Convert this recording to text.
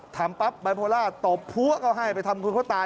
ทำปั๊บไบโพล่าตบพัวก็ให้ไปทำคุณเขาตาย